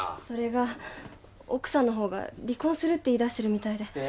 それが奥さんの方が離婚するって言いだしてるみたいで。